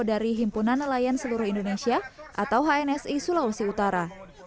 dari himpunan nelayan seluruh indonesia atau hnsi sulawesi utara